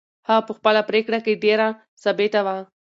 هغه په خپله پرېکړه کې ډېره ثابته وه.